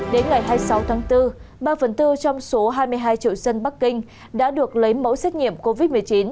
đến ngày hai mươi sáu tháng bốn ba phần tư trong số hai mươi hai triệu dân bắc kinh đã được lấy mẫu xét nghiệm covid một mươi chín